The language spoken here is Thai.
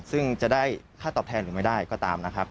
ซึ่งจะได้ค่าตอบแทนหรือไม่ได้ก็ตามนะครับ